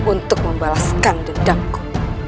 untuk membalaskan dendamku